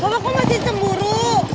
papa kok masih cemburu